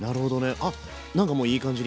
あっなんかもういい感じに。